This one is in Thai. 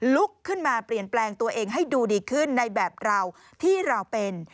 ลุกขึ้นมาเปลี่ยนแปลงตัวเองให้ดูดีขึ้นในแบบเราที่เราเป็น